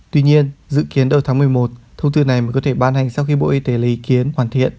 tuy nhiên dự kiến đầu tháng một mươi một thông tư này mới có thể ban hành sau khi bộ y tế lấy ý kiến hoàn thiện